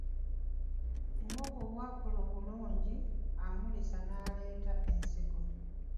Muwogo bw'akula obulungi, amulisa n'aleeta ensigo.